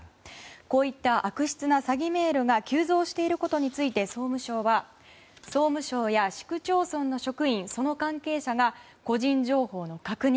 こういった悪質な詐欺メールが急増していることについて総務省は総務省や市区町村の職員その関係者が個人情報の確認